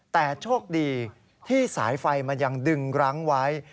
แต่โชคดีที่สายไฟมันยังดึงรั้งไว้